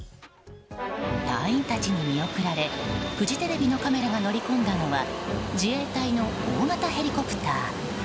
隊員たちに見送られフジテレビのカメラが乗り込んだのは自衛隊の大型ヘリコプター。